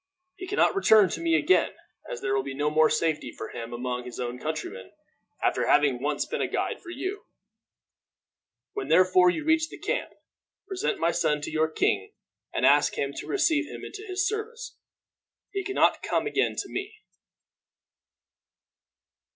He can not return to me again, as there will be no more safety for him among his own countrymen after having once been a guide for you. When, therefore, you reach the camp, present my son to your king, and ask him to receive him into his service. He can not come again to me."